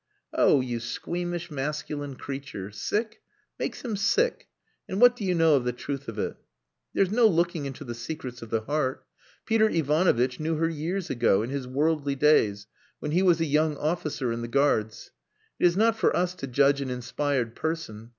"Oh, you squeamish, masculine creature. Sick! Makes him sick! And what do you know of the truth of it? There's no looking into the secrets of the heart. Peter Ivanovitch knew her years ago, in his worldly days, when he was a young officer in the Guards. It is not for us to judge an inspired person.